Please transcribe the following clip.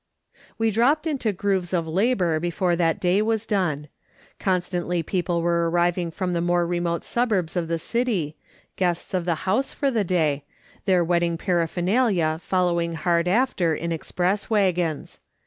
We dropped into grooves of labour before that day was done. Constantly people were arriving from the more remote suburbs of the city, guests of the house for the day, their wedding paraphernalia following hard after in express waggons.